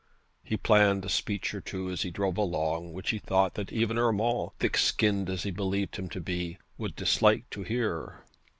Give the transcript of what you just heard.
He planned a speech or two as he drove along which he thought that even Urmand, thick skinned as he believed him to be, would dislike to hear.